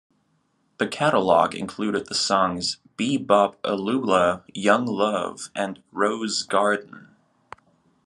The catalogue included the songs "Be Bop a Lula", "Young Love" and "Rose Garden".